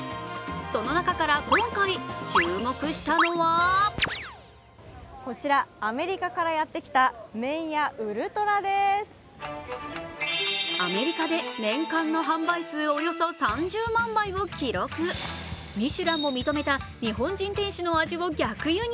その中から今回注目したのはアメリカで年間の販売数およそ３０万杯を記録ミシュランも認めた日本人店主の味を逆輸入。